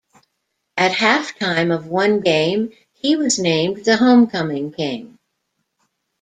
At halftime of one game, he was named the Homecoming King.